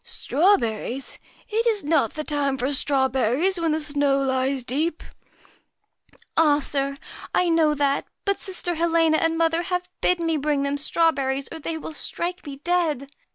MAR ' Strawberries! It is not the time for strawberries USCHKA when the snow lies deep ?' 'Ah, sir! I know that well; but sister Helena and mother have bidden me bring them straw berries, or they will strike me dead.